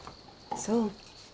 そう。